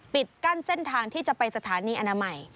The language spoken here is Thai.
ปิดกั้นเส้นทางที่จะไปสถานีอนามัย